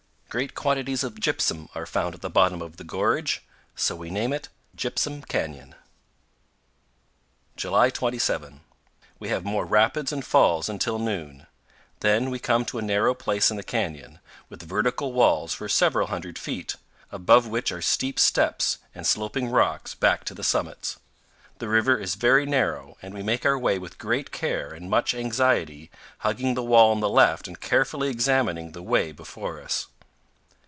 Great quantities of gypsum are found at the bottom of the gorge; so we name it Gypsum Canyon. July 27. We have more rapids and falls until noon; then we come to a narrow place in the canyon, with vertical walls for several hundred feet, above which are steep steps and sloping rocks back to the summits. The river is very narrow, and we make our way with great care and much anxiety, hugging the wall on the left and carefully examining the way before us.